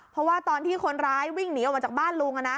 เพราะว่าตอนที่คนร้ายวิ่งหนีออกมาจากบ้านลุง